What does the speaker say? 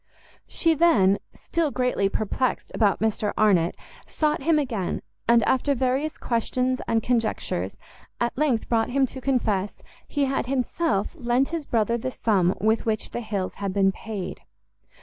She then, still greatly perplexed about Mr Arnott, sought him again, and, after various questions and conjectures, at length brought him to confess he had himself lent his brother the sum with which the Hills had been paid.